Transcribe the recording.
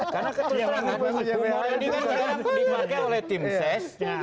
karena kecerdasan humor yang dimakai oleh tim ses